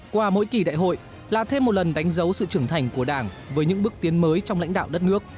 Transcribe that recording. qua mỗi kỳ đại hội là thêm một lần đánh dấu sự trưởng thành của đảng với những bước tiến mới trong lãnh đạo đất nước